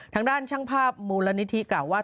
ทางด้านช่างภาพมูลนิธิกล่าวว่า